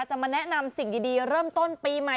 จะมาแนะนำสิ่งดีเริ่มต้นปีใหม่